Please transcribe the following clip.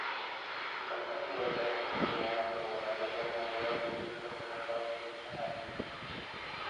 পাকিস্তানের কোয়েটায় হাসপাতালে বোমা হামলার ঘটনায় গতকাল মঙ্গলবার দেশজুড়ে ধর্মঘট পালন করেছেন আইনজীবীরা।